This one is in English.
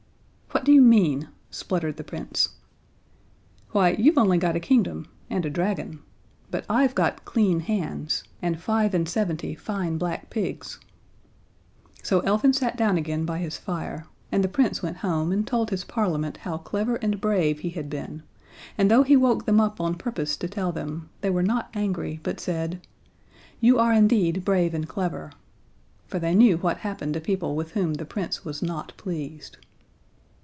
"What do you mean?" spluttered the Prince. "Why, you've only got a kingdom (and a dragon), but I've got clean hands (and five and seventy fine black pigs)." So Elfin sat down again by his fire, and the Prince went home and told his Parliament how clever and brave he had been, and though he woke them up on purpose to tell them, they were not angry, but said: "You are indeed brave and clever." For they knew what happened to people with whom the Prince was not pleased.